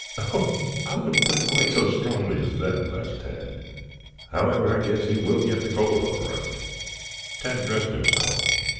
"Oh, I wouldn't put it quite so strongly as that," laughed Tad. "However, I guess he will get the cold all right." Tad dressed himself.